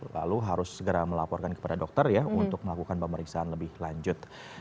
lalu harus segera melaporkan kepada dokter ya untuk melakukan pemeriksaan lebih lanjut